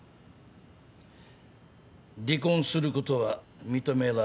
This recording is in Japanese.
離婚することは認められない。